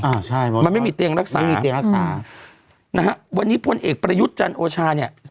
อ่าใช่มันไม่มีเตียงรักษามีเตียงรักษานะฮะวันนี้พลเอกประยุทธ์จันโอชาเนี่ย